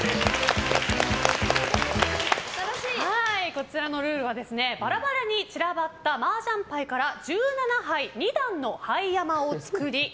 こちらのルールはバラバラに散らばったマージャン牌から１７牌２段の牌山を作り